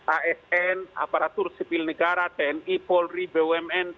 asn aparatur sipil negara tpp dan tpp